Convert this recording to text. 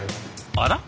あら？